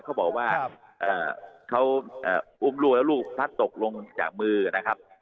เขาบอกว่าเขาอุ้มลูกแล้วลูกพลัดตกลงจากมือนะครับ